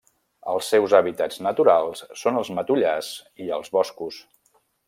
Els seus hàbitats naturals són els matollars i els boscos.